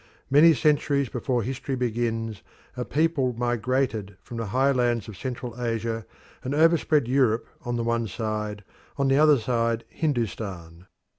Many centuries before history begins a people migrated from the highlands of Central Asia and overspread Europe on the one side, on the other side Hindustan.